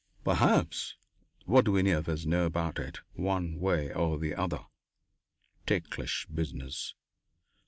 "Perhaps. What do any of us know about it, one way or the other? Ticklish business!